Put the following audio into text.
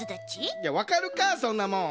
いやわかるかそんなもん！